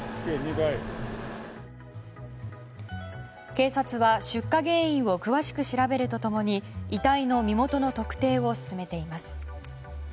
警察は出火原因を詳しく調べると共に遺体の身元の特定を進めています。